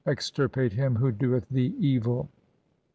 Extirpate him who doeth thee evil.